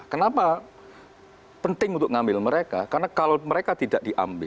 kenapa penting untuk ngambil mereka karena kalau mereka tidak diambil